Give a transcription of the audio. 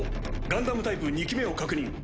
ガンダムタイプ２機目を確認。